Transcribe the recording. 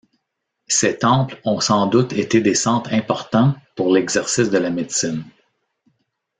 Ces temples ont sans doute été des centres importants pour l'exercice de la médecine.